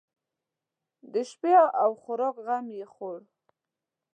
د شپې او خوراک غم یې خوړ.